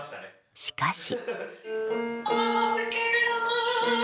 しかし。